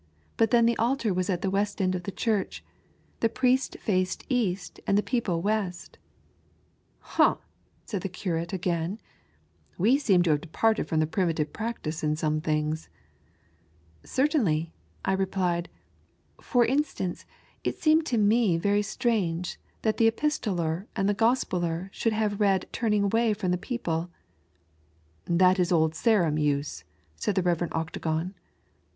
But then the altar was at the west end of the church. The prieat faced east and the people west," "Humph!" said the curate again. "We eeem to have departed from primitive practice in some things." "Certainly," I replied. " For instance, it seemed to me very strange that the Epistoller and Gospeller should have read turning away from the people." " That is old Sarum use," said the Rev. Octagon.